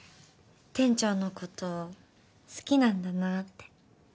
店長のこと好きなんだなぁって。